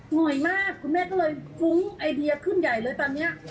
เหนื่อยมากคุณแม่ก็เลยฟุ้งไอเดียขึ้นใหญ่เลยตอนนี้